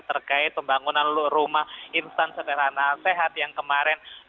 terkait pembangunan rumah instanseterana sehat yang kemarin